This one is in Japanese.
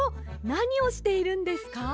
なにをしているんですか？